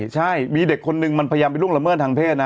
ใช่มีเด็กคนนึงมันพยายามไปล่วงละเมิดทางเพศนะ